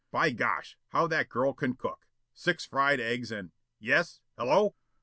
By gosh, how that girl can cook! Six fried eggs and yes? Hello!"